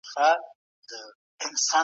لمر د تنفسي ناروغیو مخنیوی کوي.